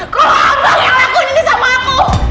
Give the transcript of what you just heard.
kalau abang yang lakuin ini sama aku